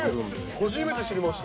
初めて知りました。